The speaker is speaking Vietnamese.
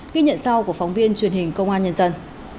ghi nhận sau của phóng viên truyền hình công an nhân dân